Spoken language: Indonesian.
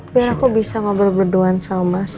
biar aku bisa ngobrol berduaan sama mas